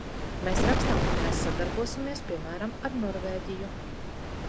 Mēs rakstām, ka mēs sadarbosimies, piemēram, ar Norvēģiju.